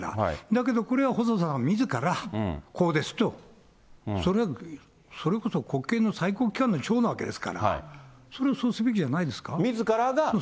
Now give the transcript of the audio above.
だけどこれは細田さんがみずから、こうですと、それこそ国権の最高機関の長なわけですから、それはそうすべきじみずからが。